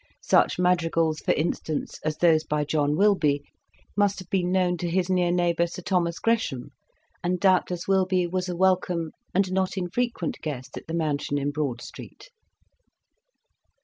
Such madri gals, for instance, as those by John Wilbye, must have been known to his near neighbour Sir Thomas Gresham, and doubtless Wilbye was a welcome and not infrequent guest at the mansion in Broad Street.